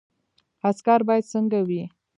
عسکر باید څنګه وي؟